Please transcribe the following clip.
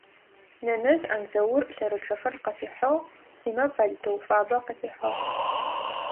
Нэнэжъ Андзаур лъэрычъэхэр къыфихьыгъ, Симэ палътэу фабэ къыфихьыгъ.